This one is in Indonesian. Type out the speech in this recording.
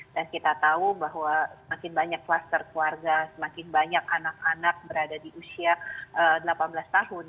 dan kita tahu bahwa semakin banyak kluster keluarga semakin banyak anak anak berada di usia delapan belas tahun